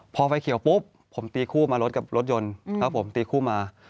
พอไฟเขียวปุ๊บผมตีคู่มารถกับรถยนต์ครับผมตีคู่มา